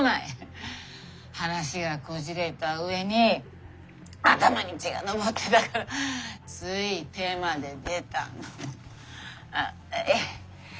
話がこじれた上に頭に血が上ってたからつい手まで出たの。